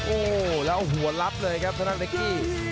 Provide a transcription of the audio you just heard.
โอ้แล้วหัวลับเลยครับธนาคตะกี้